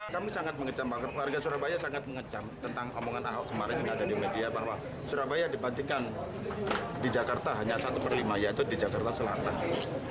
di jakarta hanya satu per lima yaitu di jakarta selatan